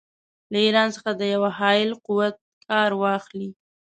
له ایران څخه د یوه حایل قوت کار واخلي.